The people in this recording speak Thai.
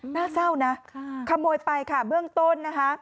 หน้าเศร้านะขโมยไปค่ะเบื้องต้นนะคะ